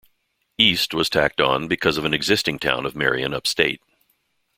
"East" was tacked on because of an existing town of Marion upstate.